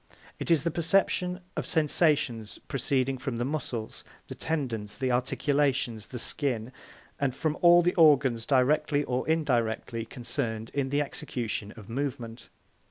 It is the perception of sensations proceeding from the muscles, the tendons, the articulations, the skin, and from all the organs directly or indirectly concerned in the execution of movement.